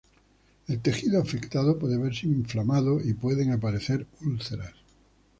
El tejido afectado puede verse inflamado y pueden aparecer úlceras.